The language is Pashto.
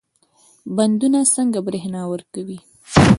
بندونه څنګه برښنا ورکوي؟